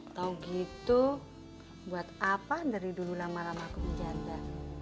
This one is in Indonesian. tau gitu buat apa dari dulu lama lama aku menjantah